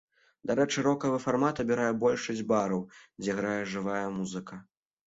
Дарэчы рокавы фармат абірае большасць бараў, дзе грае жывая музыка.